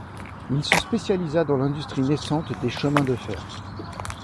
Il se spécialisa dans l'industrie naissante des chemins de fer.